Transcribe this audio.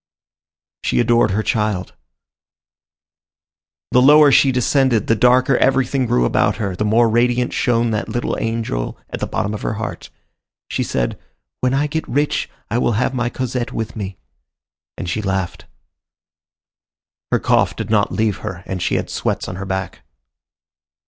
She adored her child. The lower she descended, the darker everything grew about her, the more radiant shone that little angel at the bottom of her heart. She said, "When I get rich, I will have my Cosette with me;" and she laughed. Her cough did not leave her, and she had sweats on her back.